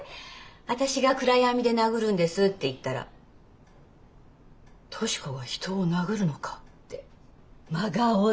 私が暗闇で殴るんですって言ったら十志子が人を殴るのかって真顔で。